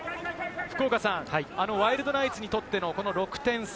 福岡さん、ワイルドナイツにとっての６点差。